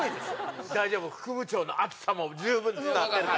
大丈夫副部長の熱さも十分伝わってるから。